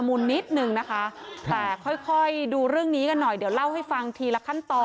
ไม่ใช่ไม่ใช่ไม่ใช่ไม่ใช่ไม่ใช่